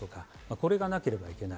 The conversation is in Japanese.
これがなければいけない。